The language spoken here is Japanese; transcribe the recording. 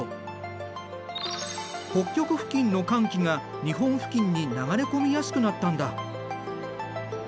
北極付近の寒気が日本付近に流れ込みやすくなったんだ。